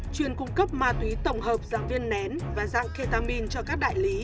chuyển cung cấp ma túy tổng hợp dạng viên nén và dạng ketamine cho các đại lý